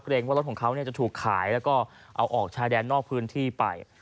ว่ารถของเขาจะถูกขายแล้วก็เอาออกชายแดนนอกพื้นที่ไป